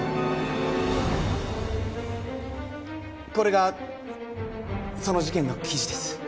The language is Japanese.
これがその事件の記事です